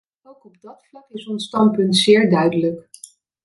Ook op dat vlak is ons standpunt zeer duidelijk.